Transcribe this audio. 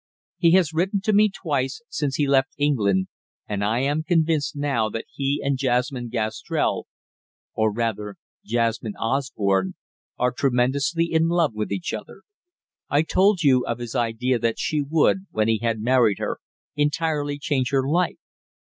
He has written to me twice since he left England, and I am convinced, now, that he and Jasmine Gastrell or rather Jasmine Osborne are tremendously in love with each other. I told you of his idea that she would, when he had married her, entirely change her life.